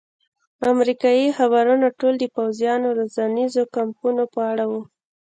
امریکایي خبرونه ټول د پوځیانو د روزنیزو کمپونو په اړه وو.